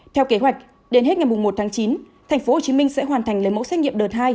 theo kế hoạch đến hết ngày một tháng chín tp hcm sẽ hoàn thành lấy mẫu xét nghiệm đợt hai